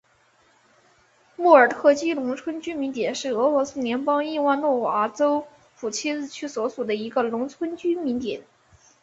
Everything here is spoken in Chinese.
莫尔特基农村居民点是俄罗斯联邦伊万诺沃州普切日区所属的一个农村居民点。